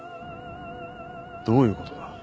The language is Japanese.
どういうことだ？